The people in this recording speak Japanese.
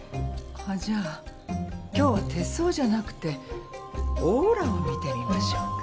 あっじゃあ今日は手相じゃなくてオーラを見てみましょうか。